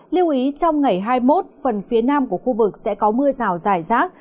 lưu ý trong ngày hai mươi một phần phía nam của khu vực sẽ có mưa rào dài rác